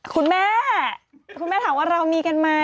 คุณแม่คุณแม่ถามว่าเรามีกันไหม